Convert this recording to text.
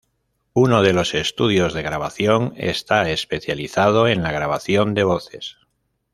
Uno de los estudios de grabación está especializado en la grabación de voces.